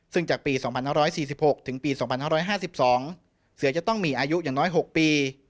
ซึ่งจากปี๒๕๔๖ถึงปี๒๕๕๒เสือจะต้องมีอายุอย่างน้อย๖ปี